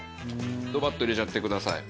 ドバッと入れちゃってください。